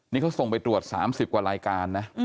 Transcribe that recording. นี่เขาส่งไปตรวจ๓๐กว่ารายการนะ